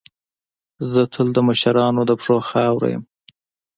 زه تل د مشرانو د پښو خاوره یم.